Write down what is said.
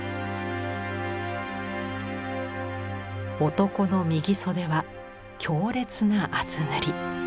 男の右袖は強烈な厚塗り。